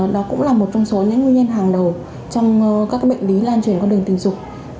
đó cũng là một trong số những nguyên nhân hàng đầu trong các bệnh lý lan truyền qua đường tình dục